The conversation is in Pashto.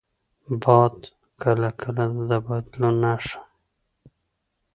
باد کله کله د بدلون نښه وي